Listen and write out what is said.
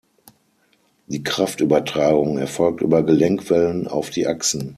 Die Kraftübertragung erfolgt über Gelenkwellen auf die Achsen.